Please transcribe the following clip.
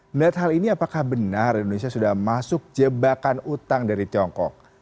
melihat hal ini apakah benar indonesia sudah masuk jebakan utang dari tiongkok